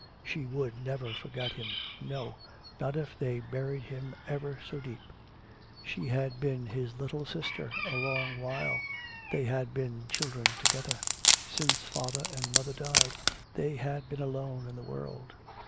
She would never forget him, no, not if they buried him ever so deep. She had been his little sister a long while; they had been children together. Since father and mother died they had been alone in the world.